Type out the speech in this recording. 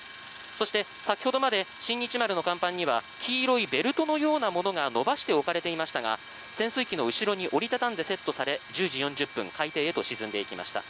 そして先ほどまで「新日丸」の甲板には黄色のベルトのようなものが伸ばして置かれてましたが潜水機の後ろに折り畳んで設置され１０時４０分海底へと沈んでいきました。